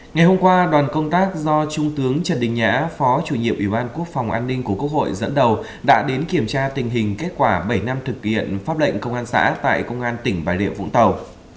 ngày hôm qua đoàn công tác do trung tướng trần đình nhã phó chủ nhiệm ủy ban quốc phòng an ninh của quốc hội dẫn đầu đã đến kiểm tra tình hình kết quả bảy năm thực hiện pháp lệnh công an xã tại công an tỉnh bà rịa vũng tàu